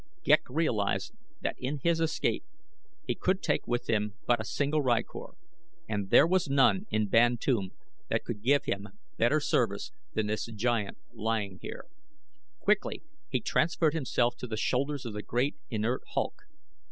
Ghek realized that in his escape he could take with him but a single rykor, and there was none in Bantoom that could give him better service than this giant lying here. Quickly he transferred himself to the shoulders of the great, inert hulk.